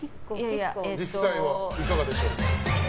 実際はいかがでしょうか？